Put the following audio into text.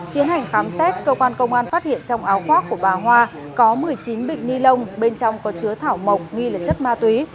tiến hành khám xét cơ quan công an phát hiện trong áo khoác của bà hoa có một mươi chín bịch ni lông bên trong có chứa thảo mộc nghi là chất ma túy